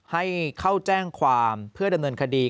ให้เข้าแจ้งความเพื่อดำเนินคดี